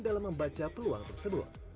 dalam membaca peluang tersebut